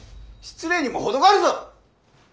失礼にも程があるぞ！